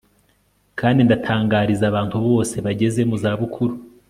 Kandi ndatangariza abantu bose bageze mu za bukuru